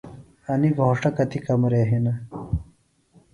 انیۡ گھوݜٹہ کتیۡ کمرے ہِنہ؟